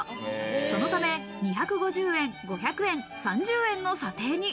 そのため、２５０円、５００円、３０円の査定に。